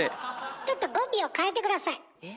ちょっと語尾を変えて下さい。